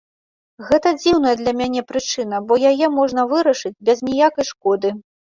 Гэта дзіўная для мяне прычына, бо яе можна вырашыць без ніякай шкоды.